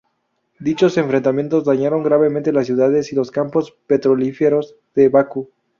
Dichos enfrentamientos dañaron gravemente las ciudades y los campos petrolíferos de Bakú.